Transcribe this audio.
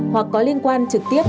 hoặc có liên quan trực tiếp